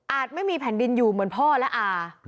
ไม่มีแผ่นดินอยู่เหมือนพ่อและอา